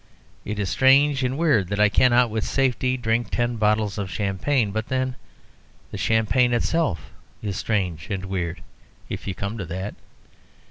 It is strange and weird that I cannot with safety drink ten bottles of champagne; but then the champagne itself is strange and weird, if you come to that.